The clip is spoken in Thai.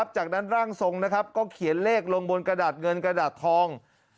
จากนั้นร่างทรงนะครับก็เขียนเลขลงบนกระดาษเงินกระดาษทอง